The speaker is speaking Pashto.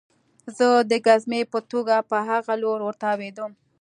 زه د ګزمې په توګه په هغه لور ورتاوېدم